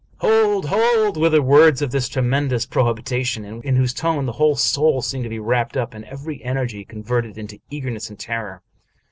" Hold ! hold !" were the words of this tremendous pro hibition, in whose tone the whole soul seemed to be wrapped up, and every energy converted into eagerness and terror.